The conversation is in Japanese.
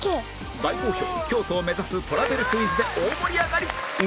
大好評京都を目指すトラベルクイズで大盛り上がり